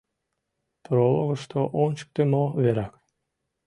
Прологышто ончыктымо верак.